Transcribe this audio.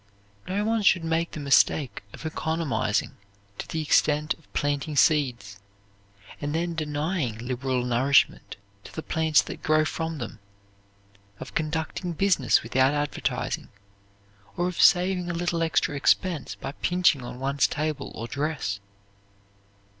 No one should make the mistake of economizing to the extent of planting seeds, and then denying liberal nourishment to the plants that grow from them; of conducting business without advertising; or of saving a little extra expense by pinching on one's table or dress.